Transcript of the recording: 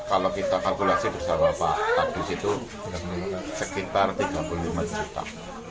kalau kita kalkulasi bersama pak kadus itu sekitar tiga puluh lima juta